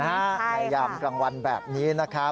ในยามกลางวันแบบนี้นะครับ